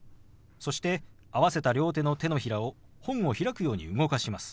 そして合わせた両手の手のひらを本を開くように動かします。